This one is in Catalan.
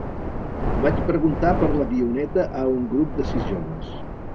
Vaig preguntar per l'avioneta a un grup de sis joves.